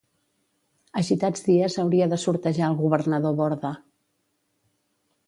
Agitats dies hauria de sortejar el governador Borda.